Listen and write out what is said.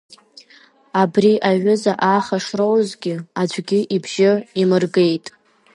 Абри аҩыза ааха шроузгьы, аӡәгьы ибжьы имыргеит.